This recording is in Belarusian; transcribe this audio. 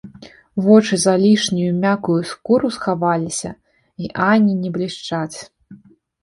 Вочы за лішнюю, мяккую скуру схаваліся й ані не блішчаць.